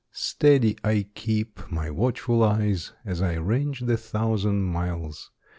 Steady I keep my watchful eyes, As I range the thousand miles.